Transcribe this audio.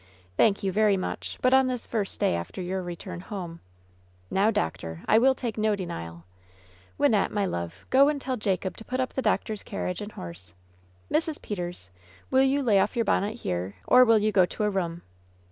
"Thank you, very much; but on this first day after your return home ^" "Now, doctor, I will take no denial Wynnette, my love, go and tell Jacob to put up the doctor's carriage 16a LOVE'S BITTEREST CUP and horse. Mrs. Peters^ will you lay oflf yoiir bonnet here, or will you go to a room